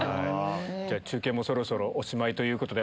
中継もそろそろおしまいということで。